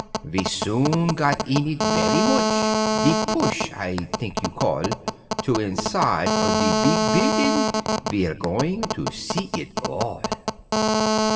Ve soon gat in it veree moch, "De push," I t'ink you call, To inside on de beeg building, Ve're going to see it all.